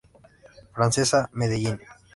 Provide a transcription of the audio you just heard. Francesa, Medellín.